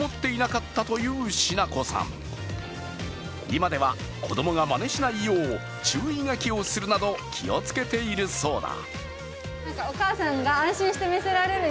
今では子供がまねしないよう注意書きをするなど気を付けているそうだ。